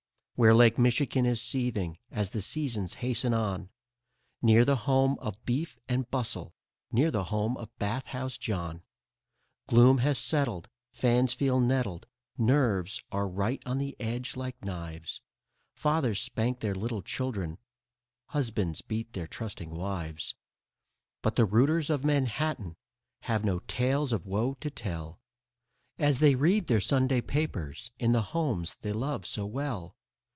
Where Lake Michigan is seething as the seasons hasten on, Near the home of beef and bustle, near the home of Bathhouse John, Gloom has settled, fans feel nettled, nerves are right on edge like knives, Fathers spank their little children, husbands beat their trusting wives. But the rooters of Manhattan have no tales of woe to tell As they read their Sunday papers in the homes they love so well.